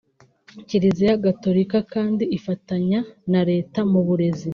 Kiliziya gatolika kandi ifatanya na Leta mu burezi